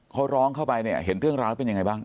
เขาร้องเข้าไปเนี่ยเห็นเรื่องราวเป็นยังไงบ้าง